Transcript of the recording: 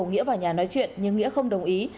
nghĩa vào nhà nói chuyện nhưng nghĩa không đồng ý